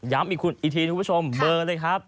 ย้ำอีกทีทุกผู้ชมเบอร์เลยครับ